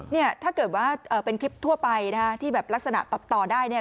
เนี่ยถ้าเกิดว่าเป็นคลิปทั่วไปนะฮะที่แบบลักษณะตอบต่อได้เนี่ย